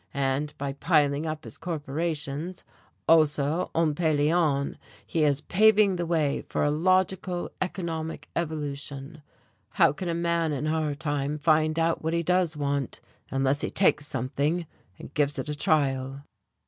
And by piling up his corporations, Ossa on Pelion, he is paving the way for a logical economic evolution. How can a man in our time find out what he does want unless he takes something and gives it a trial?"